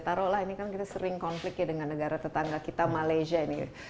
taruhlah ini kan kita sering konflik ya dengan negara tetangga kita malaysia ini